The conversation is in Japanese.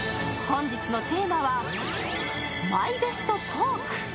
本日のテーマは、ＭＹＢＥＳＴポーク。